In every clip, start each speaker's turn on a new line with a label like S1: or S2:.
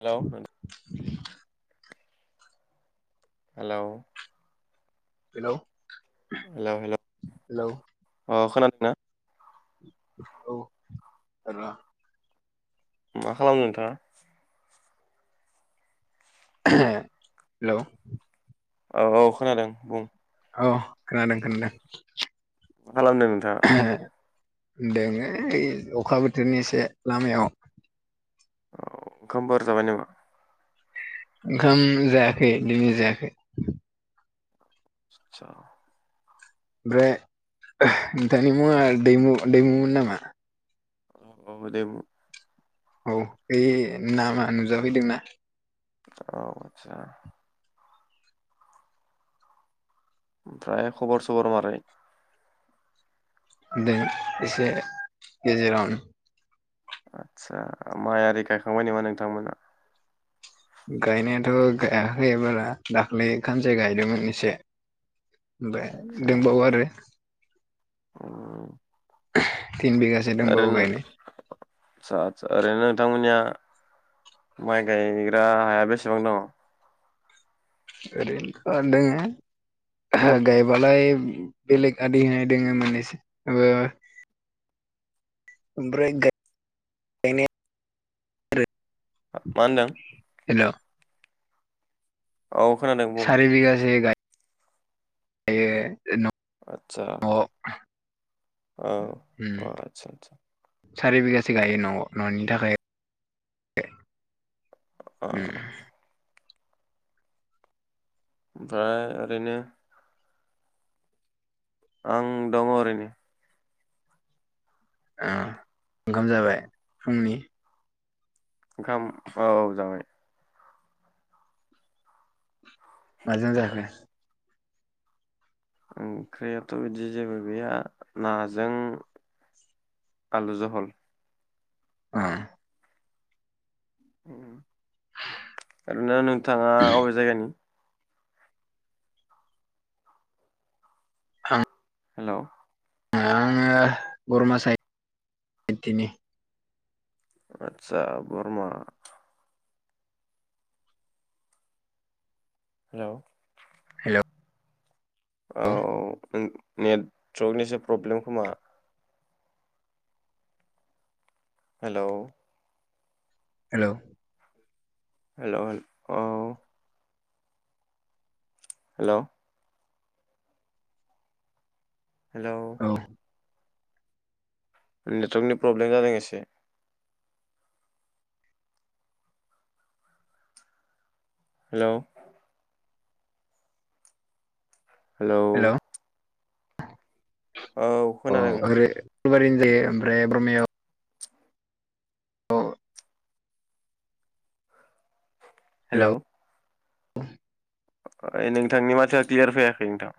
S1: Hello नों hello
S2: hello
S1: hello hello
S2: hello
S1: अ' खोना ना
S2: औ र'
S1: मा खालामनो नोंथाङा?
S2: हेलौ
S1: औ औ खोनादों बुं
S2: औ खोनादों खोनादों।
S1: मा खालामदों नोंथाङा?
S2: दोङो ओय अखा बोथोरनि एसे लामायाव
S1: औ ओंखामफोर जाबाय नामा?
S2: ओमखाम जायाखै दोनै जायाखै।
S1: साथसा
S2: [unintelligible] नोंथांनि मुङा दैमु दैमुमोन नामा?
S1: औ औ देमु
S2: औ ए नामा नुजाफैदोंना?
S1: औ आथसा ओमफ्राय खबर सबर मारै?
S2: दों एसे गेजेरावनो।
S1: आथसा माइआरि गायखांबाय नामा नोंथांमोना?
S2: गायनायाथ' गायाखै बारा दाख्लै खानसे गायदोमोन एसे ओफाय दोंबावो आरो।
S1: अ'
S2: तिन बिगासो दंबावो
S1: ओरैनो
S2: गायनो
S1: आथसा आथसा ओरैनो नोंथांमोननिया माइ गायग्रा हाया बेसेबां दङ?
S2: ओरैनो ओ दङो गायबालाय बेलेग आदि होनाय दङो मोननैसो [unintelligible] ओमफ्राय गाय गानाय आरो
S1: मा होनदों?
S2: हेल'
S1: औ खोनादों बुं
S2: [inaudible] [unintelligible]
S1: आदसा
S2: न'आव
S1: औ
S2: उम,
S1: आदसा आदसा
S2: सारि बिगासो गायो न'आव न'नि थाखाय
S1: अ
S2: उम
S1: ओमफाय ओरैनो आं दङ ओरैनो
S2: ओ ओंखाम जाबाय फुंनि?
S1: ओंखाम औ औ जाबाय
S2: माजों जाखो?
S1: ओंख्रियाथ' बिदि जेबो गैया नाजों आलु जहल
S2: अह
S1: उम ओरैनो नोंथाङा अबे जायगानि?
S2: आं
S1: हेल'
S2: आङो बरमा साइदनि
S1: आदसा बरमा [inaudible]
S2: हेल'
S1: औ नों नेटवर्कनिसो प्रब्लेम खोमा हेलौ
S2: हेल'
S1: हेल' हे औ हेल' हेलौ नेटवार्कनि प्रब्लेम जादों एसे हेलौ हेलौ औ
S2: [inaudible] अ
S1: खोनादों
S2: आरो बारिनि ओमफ्राय [unintelligible] अ
S1: हेलौ
S2: [inaudible]
S1: अ नोंथांनि माथाया क्लियार फैयाखै नोंथां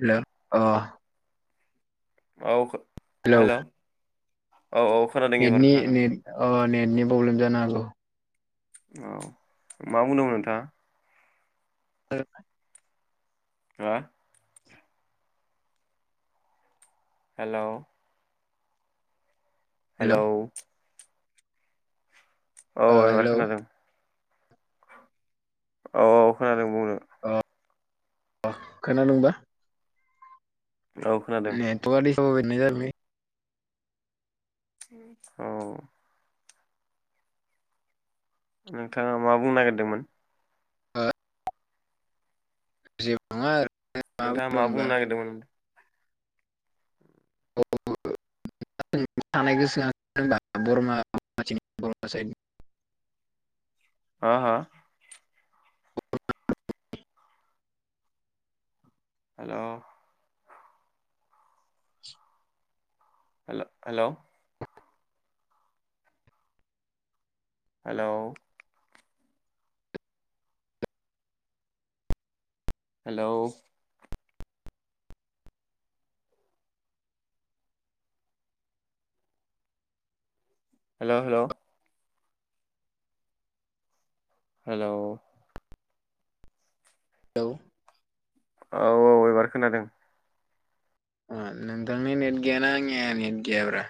S2: हेल' अ
S1: औ हेल'
S2: बेनि नेट अ नेटनि प्रब्लेम जानो हागौ।
S1: औ मा बुंदोंमोन नोंथाङा?
S2: [unintelligible]
S1: हा हेल'
S2: हेल'
S1: हेलौ औ
S2: ओ
S1: एबार
S2: हेलौ
S1: खोनादों। औ औ खोनादों बुंनो
S2: अ खोनादोंबा?
S1: औ खोनादों
S2: नेटअवार्क [unintelligible]
S1: औ नोंथाङा मा बुंनो नागिरदोंमोन?
S2: जेबो नंङा ओरै
S1: नोंथाङा मा बुंनो नागिरदोंमोन?
S2: [unintelligible] थानाय गोसो आ बर्मा [unintelligible]
S1: [unintelligible] हेल' हेल हेल' हेल' हेलौ हेल' हेल' हेल'
S2: हेलौ
S1: औ औ एबार खोनादों।
S2: ओ नोंथांनि नेट गैया ना आंनिया नेट गैयाब्रा!